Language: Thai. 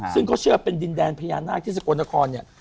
ซึ่งเขาเชื่อเป็นดินแดนพญานาคที่สกลนครเนี่ย